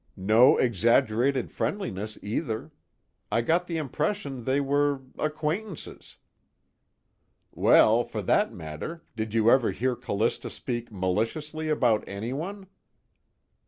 No exaggerated friendliness either. I got the impression they were acquaintances." "Well, for that matter, did you ever hear Callista speak maliciously about anyone?"